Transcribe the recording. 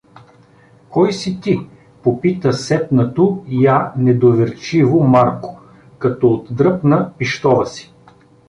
— Кой си ти? — попита сепнато я недоверчиво Марко, като отдръпна пищова си.